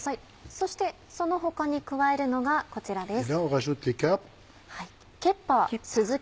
そしてその他に加えるのがこちらです。